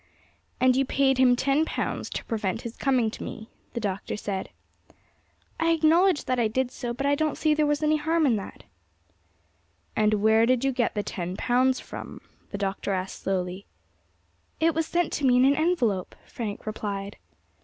"And you paid him ten pounds to prevent his coming to me," the Doctor said. "I acknowledge that I did so, but I don't see there was any harm in that." "And where did you get the ten pounds from?" the Doctor asked slowly. "It was sent to me in an envelope," Frank replied.